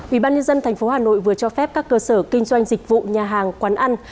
ubnd tp hà nội vừa cho phép các cơ sở kinh doanh dịch vụ nhà hàng quán ăn